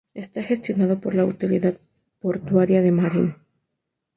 Está gestionado por la autoridad portuaria de Marín.